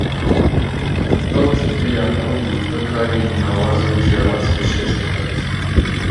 ئەو تیپە یان ئەو گرووپە کاری ناوازە و جیاواز پێشکەش دەکات